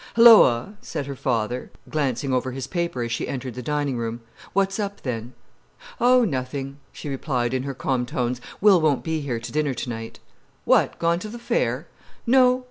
"Helloa!" said her father, glancing over his paper as she entered the dining room. "What's up, then?" "Oh, nothing," she replied, in her calm tones. "Will won't be here to dinner tonight." "What, gone to the fair?" "No."